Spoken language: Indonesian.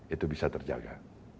itu bisa terjadi